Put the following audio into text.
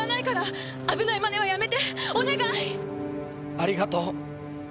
ありがとう。